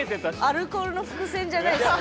アルコールの伏線じゃないですよ。